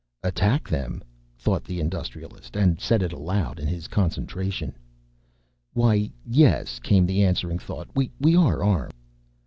"Attack them?" thought the Industrialist, and said it aloud in his concentration. "Why, yes," came the answering thought. "We are armed."